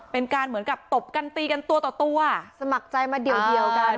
เป็นการเหมือนกับตบกันตีกันตัวต่อตัวสมัครใจมาเดี่ยวกัน